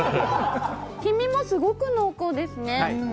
黄身もすごく濃厚ですね。